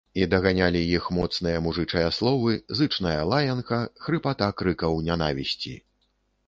І даганялі іх моцныя мужычыя словы, зычная лаянка, хрыпата крыкаў нянавісці.